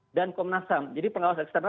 jadi pengawasan eksternal jadi pengawasan eksternal